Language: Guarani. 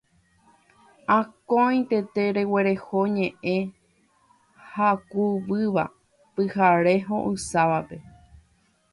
Akóinte tereguereko ñe'ẽ hakuvýva pyhare ho'ysãvape